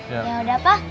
ya udah pak